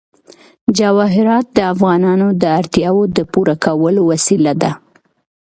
جواهرات د افغانانو د اړتیاوو د پوره کولو وسیله ده.